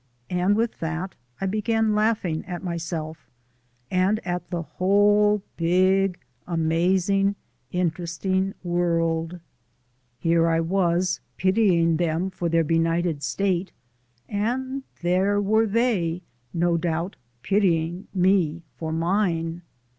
And with that I began laughing at myself, and at the whole, big, amazing, interesting world. Here was I pitying them for their benighted state, and there were they, no doubt, pitying me for mine!